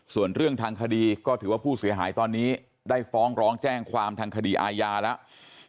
ส่วนเรื่องทางคดีก็ถือว่าผู้เสียหายตอนนี้ได้ฟ้องร้องแจ้งความทางคดีอาญาแล้ว